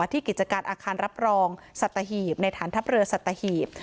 กิจการอาคารรับรองสัตหีบในฐานทัพเรือสัตหีบ